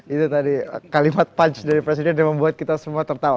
itu tadi kalimat punch dari presiden yang membuat kita semua tertawa